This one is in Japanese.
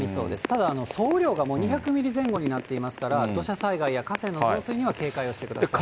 ただ、総雨量がもう２００ミリ前後になっていますから、土砂災害や河川の増水には警戒をしてください。